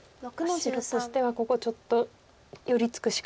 白としてはここちょっと寄り付くしか。